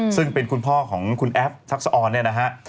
ซึ่งเป็นคุณพ่อของคุณแอฟทักษะออนเนี่ยนะฮะ